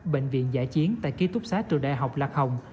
bệnh viện giải chiến tại ký túc xá trường đại học lạc hồng